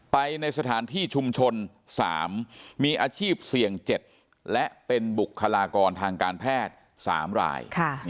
ไปในสถานที่ชุมชน๓มีอาชีพเสี่ยง๗และเป็นบุคลากรทางการแพทย์๓ราย